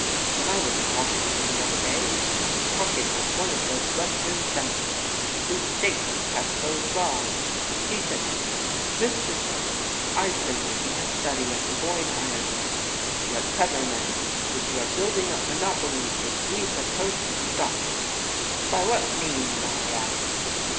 When I was in Washington the other day I was talking with one of those Western senators whose state has passed those laws. He said to me, 'Mr. Scherer, I've been making a study of the Boyne Iron Works. You are clever men, but you are building up monopolies which we propose to stop.' 'By what means?'" I asked.